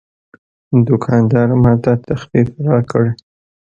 دوکاندار ماته تخفیف راکړ.